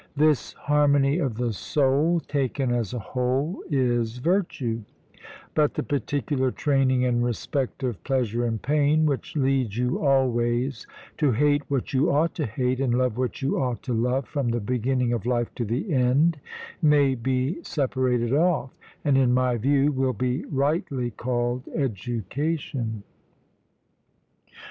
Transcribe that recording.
This harmony of the soul, taken as a whole, is virtue; but the particular training in respect of pleasure and pain, which leads you always to hate what you ought to hate, and love what you ought to love from the beginning of life to the end, may be separated off; and, in my view, will be rightly called education.